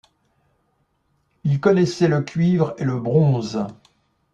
Ils connaissaient le cuivre et le bronze.